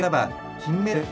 金メダル！